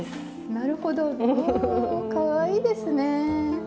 なるほど！おかわいいですね！